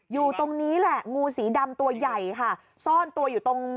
อยู่ตรงนี้แหละงูสีดำตัวใหญ่ค่ะซ่อนตัวอยู่ตรง